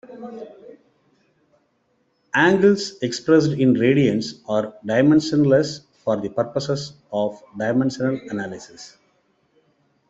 Angles expressed in radians are dimensionless for the purposes of dimensional analysis.